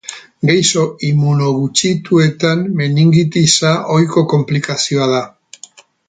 Gaixo immunogutxituetan meningitisa ohiko konplikazioa da.